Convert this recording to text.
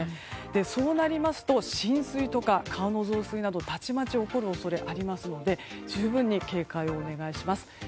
そうなりますと浸水とか川の増水などたちまち起こる恐れがありますので十分に警戒をお願いします。